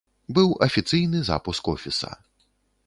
Быў афіцыйны запуск офіса.